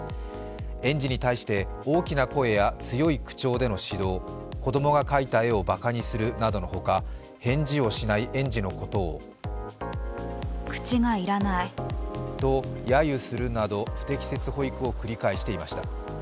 園児に対して大きな声や強い口調での指導、子供が描いた絵をバカにするなどのほか返事をしない園児のことをと、やゆするなど不適切保育を繰り返していました。